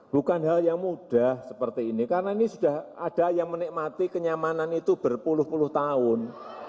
bukan hal yang mudah seperti ini karena ini sudah ada yang menikmati kenyamanan itu berpuluh puluh tahun